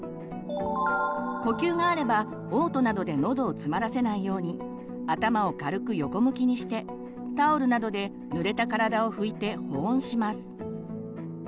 呼吸があればおう吐などでのどをつまらせないように頭を軽く横向きにしてタオルなどでぬれた体を拭いて保温します。